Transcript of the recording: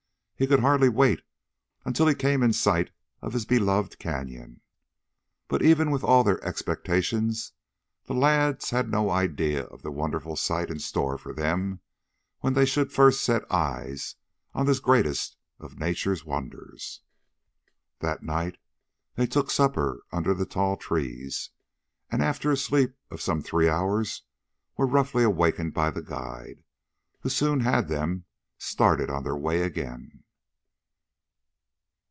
He could hardly wait until he came in sight of his beloved Canyon. But even with all their expectations the lads had no idea of the wonderful sight in store for them when they should first set eyes on this greatest of Nature's wonders. That night they took supper under the tall trees, and after a sleep of some three hours, were roughly awakened by the guide, who soon had them started on their way again.